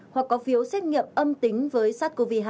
hoặc có phiếu xét nghiệm âm tính với sars cov hai